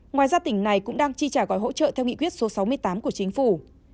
ngoài ra tỉnh này cũng đang chi trả gói hỗ trợ theo nghị quyết số sáu mươi tám của chính phủ